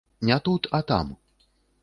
Не тут, а там.